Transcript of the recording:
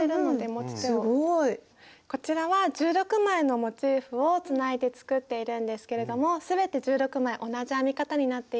こちらは１６枚のモチーフをつないで作っているんですけれども全て１６枚同じ編み方になっています。